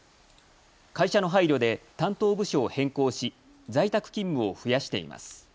会社の配慮で担当部署を変更し在宅勤務を増やしています。